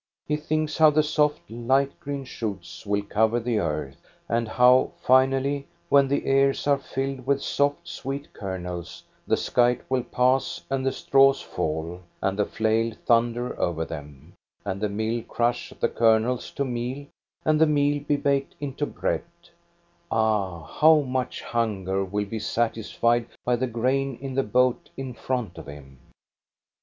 He thinks how the soft, light green shoots will cover the earth, and how, finally, when the ears are filled with soft, sweet kernels, the scythe will pass, and the straws fall, and the flail thunder over them, and the mill crush the kernels to meal, and the meal be baked into bread, — ah, how much hunger will be satisfied by the grain in the boat in front of him